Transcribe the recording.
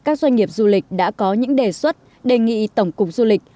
các doanh nghiệp du lịch đã có những đề xuất đề nghị tổng cục du lịch